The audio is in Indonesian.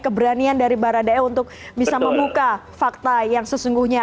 keberanian dari baradae untuk bisa membuka fakta yang sesungguhnya